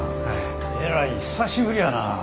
えらい久しぶりやなぁ。